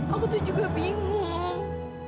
aku tuh juga bingung